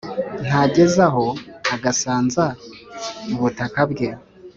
Ntageza aho agasanza ubutaka bwe,